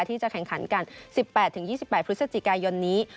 ที่จะแข่งขันกัน๑๘๒๘พฤศจิกายนนี้